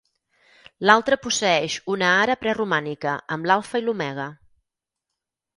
L'altra posseeix una ara preromànica, amb l'alfa i l'omega.